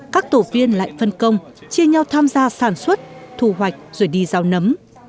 các tổ viên lại phân công chia nhau tham gia sản xuất thù hoạch rồi đi rau nấm